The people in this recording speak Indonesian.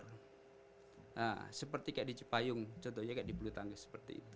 nah seperti kayak di cipayung contohnya kayak di bulu tangkis seperti itu